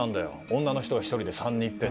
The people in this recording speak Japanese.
女の人が１人で３人いっぺんに。